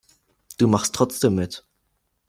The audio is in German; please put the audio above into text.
Du machst trotzdem mit.